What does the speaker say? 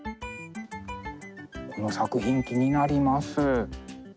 この作品気になります。